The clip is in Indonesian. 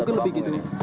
mungkin lebih gitu nih